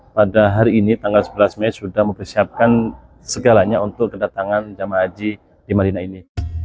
pada hari ini tanggal sebelas mei sudah mempersiapkan segalanya untuk kedatangan jemaah haji di madinah ini